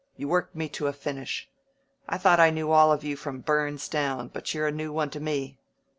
You worked me to a finish. I thought I knew all of you from Burns down, but you're a new one to me.